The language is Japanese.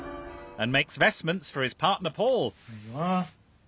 ああ。